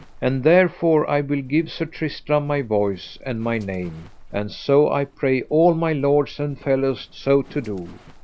And therefore I will give Sir Tristram my voice and my name, and so I pray all my lords and fellows so to do.